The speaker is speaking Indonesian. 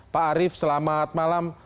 pak arief selamat malam